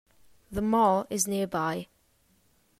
The Mall is nearby.